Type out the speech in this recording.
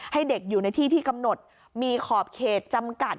ให้เด็กอยู่ในที่ที่กำหนดมีขอบเขตจำกัด